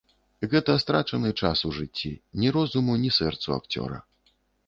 Гэта страчаны час у жыцці, ні розуму, ні сэрцу акцёра.